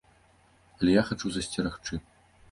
Але я хачу засцерагчы.